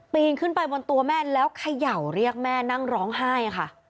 นขึ้นไปบนตัวแม่แล้วเขย่าเรียกแม่นั่งร้องไห้ค่ะ